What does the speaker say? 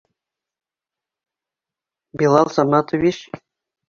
Билал Саматович!